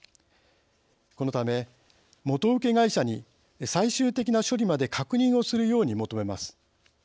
このため元請け会社に最終的な処理まで確認をするように求めます。